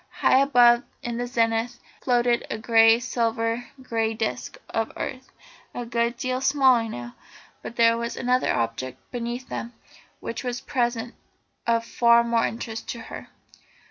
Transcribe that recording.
High above in the zenith floated the great silver grey disc of earth, a good deal smaller now. But there was another object beneath them which was at present of far more interest to her.